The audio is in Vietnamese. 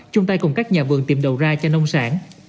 chung tay cùng các nhà vườn tìm đầu ra cho nông sản